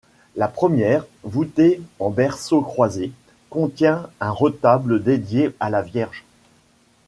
La première, voûtée en berceaux croisés, contient un retable dédié à la Vierge.